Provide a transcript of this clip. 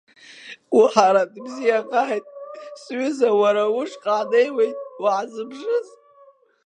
Ухраҭ бзиахааит, сҩыза, уара ушҟа ҳнеиуеит, уаҳзыԥшыз.